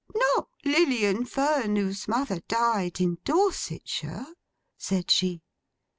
'Not Lilian Fern whose mother died in Dorsetshire!' said she.